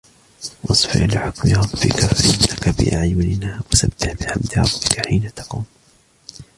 وَاصْبِرْ لِحُكْمِ رَبِّكَ فَإِنَّكَ بِأَعْيُنِنَا وَسَبِّحْ بِحَمْدِ رَبِّكَ حِينَ تَقُومُ